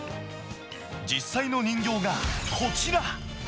実際の人形がこちら。